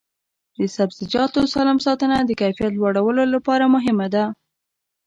د سبزیجاتو سالم ساتنه د کیفیت لوړولو لپاره مهمه ده.